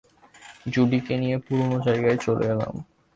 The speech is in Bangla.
জুডিকে নিয়ে পুরনো জায়গায় চলে এলাম।